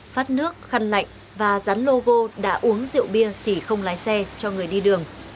phát nước khăn lạnh và rắn logo đã uống rượu bia thì không lái xe cho người đi đường